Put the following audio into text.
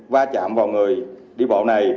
va chạm vào người đi bộ này